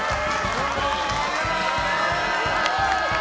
どうも！